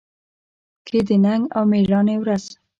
کې د ننګ او مېړانې ورځ